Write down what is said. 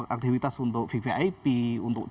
aktivitas untuk vvip untuk